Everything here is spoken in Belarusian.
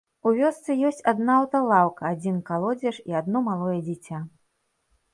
У вёсцы ёсць адна аўталаўка, адзін калодзеж і адно малое дзіця.